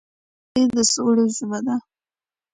موسیقي د سولې ژبه ده.